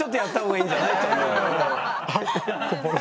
はい。